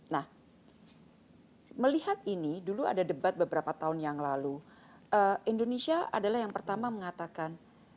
nah melihat ini dulu ada debat beberapa tahun yang lalu indonesia adalah yang pertama mengatakan